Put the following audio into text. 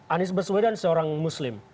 anies baswedan seorang muslim